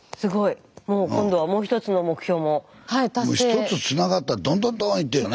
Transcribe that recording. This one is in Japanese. １つつながったらどんどんどんいったよ